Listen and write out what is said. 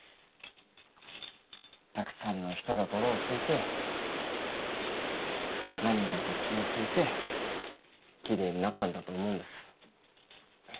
たくさんの人が泥を拭いて涙と血を拭いてキレイになったんだと思うんです。